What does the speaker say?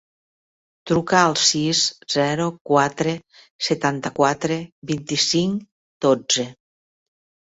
Truca al sis, zero, quatre, setanta-quatre, vint-i-cinc, dotze.